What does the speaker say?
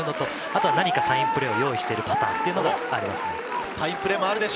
あとは何かサインプレーを用意してるパターンというのがあります。